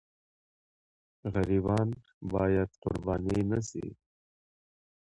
غریبان باید قرباني نه سي.